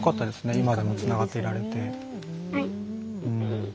今でもつながっていられて。